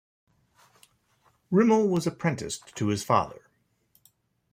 Rimmel was apprenticed to his father.